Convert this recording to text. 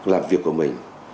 làm việc của mình